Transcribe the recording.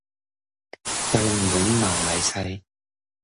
要用人腦來拆